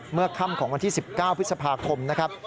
เมื่อค่ำของวันที่๑๙พฤษภาคมนะครับ